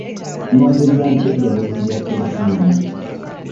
Nnyongeza ntya eddoboozi lya terefalina?